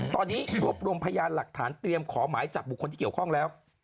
ตอนนี้รวบรวมพยานหลักฐานเตรียมขอหมายจับบุคคลที่เกี่ยวข้องแล้ว